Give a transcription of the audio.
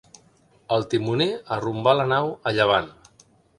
El timoner arrumbà la nau a llevant.